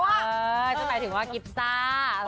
ใช่หมายถึงว่ากิปซ่า